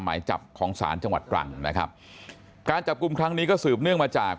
หมายจับของศาลจังหวัดตรังนะครับการจับกลุ่มครั้งนี้ก็สืบเนื่องมาจาก